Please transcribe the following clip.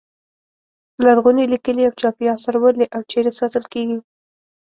لرغوني لیکلي او چاپي اثار ولې او چیرې ساتل کیږي.